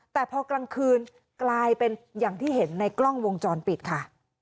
แต่พอกลางคืนกลายเป็นอย่างที่เห็นในกล้องวงจรปิดค่ะ